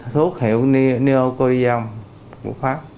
thuốc hiệu niocorion của pháp